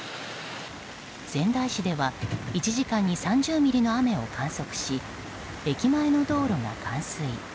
仙台市では１時間に３０ミリの雨を観測し駅前の道路が冠水。